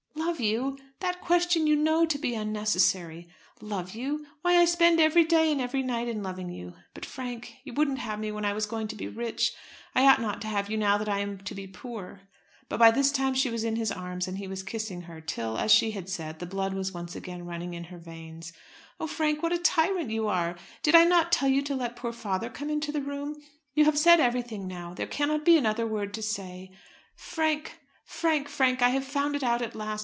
"Love you! That question you know to be unnecessary. Love you! Why I spend every day and every night in loving you! But, Frank, you wouldn't have me when I was going to be rich. I ought not to have you now that I am to be poor." But by this time she was in his arms and he was kissing her, till, as she had said, the blood was once again running in her veins. "Oh, Frank, what a tyrant you are! Did I not tell you to let poor father come into the room? You have said everything now. There cannot be another word to say. Frank, Frank, Frank! I have found it out at last.